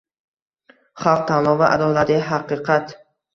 Xalq tanlovi — adolatli haqiqatng